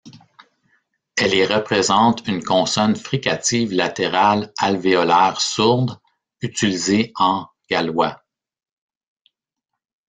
Elle y représente une consonne fricative latérale alvéolaire sourde utilisée en gallois.